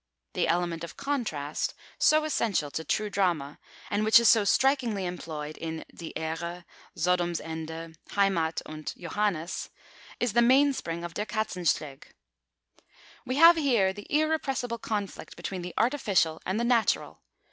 The element of Contrast so essential to true drama, and which is so strikingly employed in Die Ehre, Sodoms Ende, Heimat, and Johannes is the mainspring of Der Katzensteg. We have here the irrepressible conflict between the artificial and the natural.